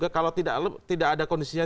kalau tidak ada kondisinya